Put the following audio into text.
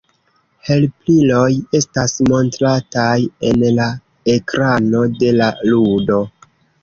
Helpiloj estas montrataj en la ekrano de la ludo.